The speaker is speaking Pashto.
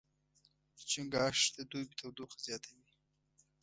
چنګاښ د دوبي تودوخه زیاتوي.